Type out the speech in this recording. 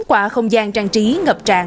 qua không gian trang trí ngập tràn